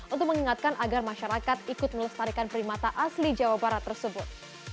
untuk mengingatkan agar masyarakat ikut melestarikan primata asli jawa barat tersebut